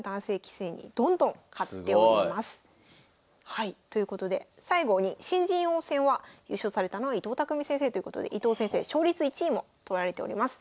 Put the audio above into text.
はいということで最後に新人王戦は優勝されたのは伊藤匠先生ということで伊藤先生勝率１位も取られております。